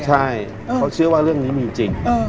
ใช่เขาเชื่อว่าเรื่องนี้มีอยู่จริง